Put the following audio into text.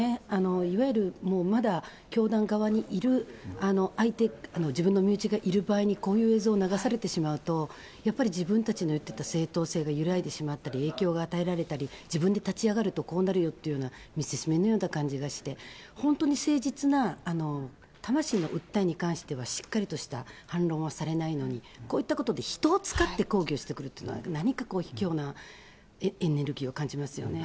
いわゆるまだ教団側にいる相手、自分の身内がいる場合にこういう映像を流されてしまうと、やっぱり自分たちの言っていた正当性が揺らいでしまったり、影響が与えられたり、自分で立ち上がるとこうなるよというような見せしめのような感じがして、本当に誠実な、魂の訴えに関してはしっかりとした反論はされないのに、こういったことで人を使って抗議をしてくるっていうのは、何かこう、ひきょうなエネルギーを感じますよね。